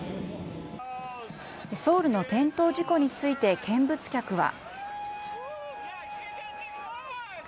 ソウルの転倒事故について見物客は。